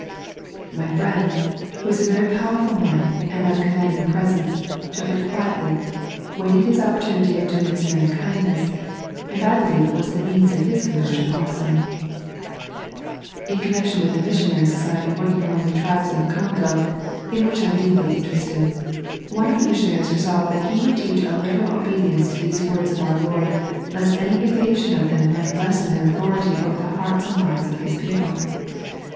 ." My friend, who is a very powerful man and of commanding presence, took it quietly, waited his opportunity of doing this man a kindness, and I believe it was the means of hb In connection with a missionary society working among the tribes on the Congo, in which I am deeply interested, one of the missionaries resolved that he would teach a literal obedience to these words of our Lord, lest any eivasion of them might lessen their authority over the hearts and lives of His people.